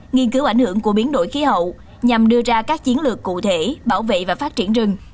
nghiên cứu ảnh hưởng của biến đổi khí hậu nhằm đưa ra các chiến lược cụ thể bảo vệ và phát triển rừng